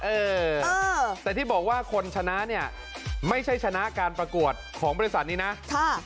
เออแต่ที่บอกว่าคนชนะเนี่ยไม่ใช่ชนะการประกวดของบริษัทนี้นะค่ะ